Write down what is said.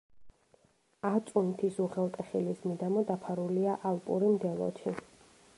აწუნთის უღელტეხილის მიდამო დაფარულია ალპური მდელოთი.